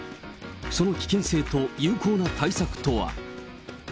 その危険性と有効な対策とは。